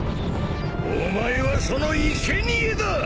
お前はそのいけにえだ！